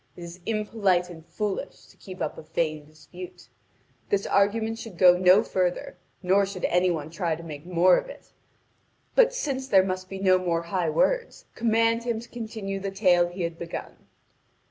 It is impolite and foolish to keep up a vain dispute. This argument should go no further, nor should any one try to make more of it. But since there must be no more high words, command him to continue the tale he had begun."